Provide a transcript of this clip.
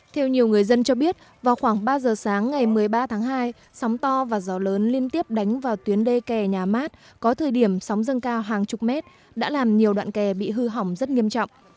theo nhiều người dân cho biết vào khoảng ba giờ sáng ngày một mươi ba tháng hai sóng to và gió lớn liên tiếp đánh vào tuyến đê kè nhà mát có thời điểm sóng dâng cao hàng chục mét đã làm nhiều đoạn kè bị hư hỏng rất nghiêm trọng